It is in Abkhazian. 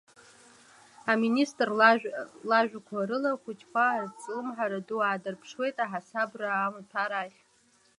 Аминистр лажәақәа рыла, ахәыҷқәа азҿлымҳара ду аадырԥшуеит аҳасабра амаҭәар ахь.